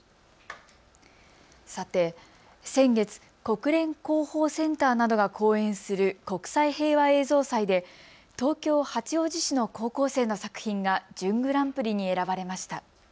さて先月、国連広報センターなどが後援する国際平和映像祭で東京八王子市の高校生の作品が準グランプリに選ばれました。